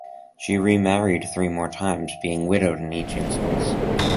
She remarried three more times, being widowed in each instance.